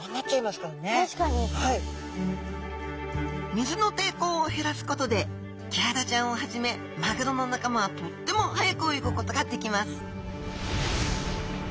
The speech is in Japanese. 水の抵抗を減らすことでキハダちゃんをはじめマグロの仲間はとっても速く泳ぐことができます